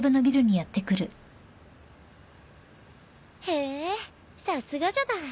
へぇさすがじゃない。